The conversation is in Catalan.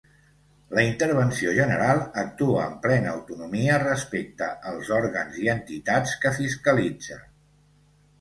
La Intervenció General actua amb plena autonomia respecte als òrgans i entitats que fiscalitza.